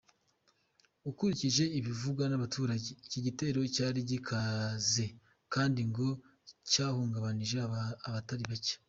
Ukurikije ibivugwa n'abaturage, iki gitero cyari gikaze kandi ngo cyahungabanije abatari bakeya.